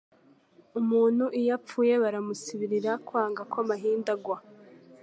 Umuntu iyo apfuye baramusibirira, kwanga ko amahindu agwa